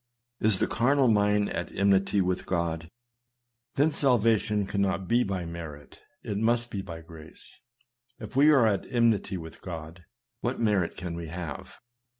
Is the carnal mind at enmity against God? Then salvation cannot be by merit ; it must be by grace. If we are at enmity with God, what merit can we have